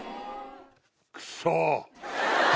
クソ！